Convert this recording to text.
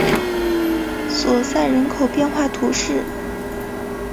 索赛人口变化图示